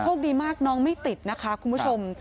โชคดีมากน้องไม่ติดนะคะคุณผู้ชม